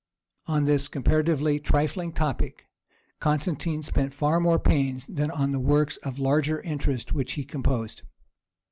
On this comparatively trifling topic Constantine spent far more pains than on the works of larger interest which he composed.